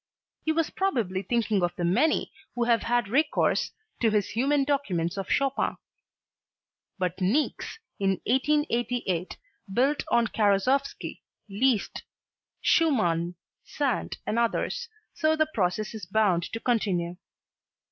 He was probably thinking of the many who have had recourse to his human documents of Chopin. But Niecks, in 1888, built on Karasowski, Liszt, Schumann, Sand and others, so the process is bound to continue.